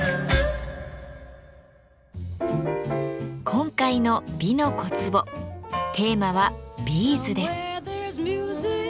今回の「美の小壺」テーマは「ビーズ」です。